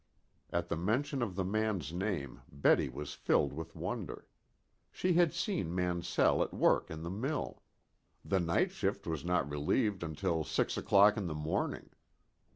At the mention of the man's name Betty was filled with wonder. She had seen Mansell at work in the mill. The night shift was not relieved until six o'clock in the morning.